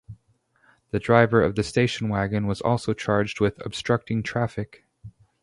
The driver of the station wagon was also charged with obstructing traffic.